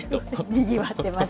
にぎわってます。